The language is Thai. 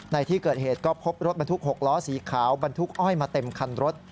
ในที่เกิดเหตุก็พบรถบรรทุก๖ล้อสีขาวบรรทุกอ้อยมาเต็มคันรถ